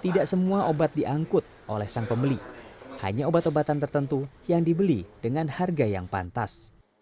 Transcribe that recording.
tidak semua obat diangkut oleh sang pembeli hanya obat obatan tertentu yang dibeli dengan harga yang pantas